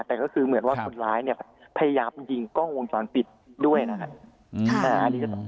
แต่ก็คือเหมือนว่าคนร้ายเนี่ยพยายามยิงกล้องวงจรปิดด้วยนะครับ